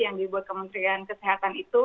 yang dibuat kementerian kesehatan itu